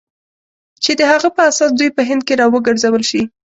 چې د هغه په اساس دوی په هند کې را وګرځول شي.